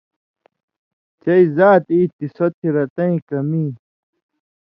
چئ زات ای تھی سوتھی رَتَیں کمی۔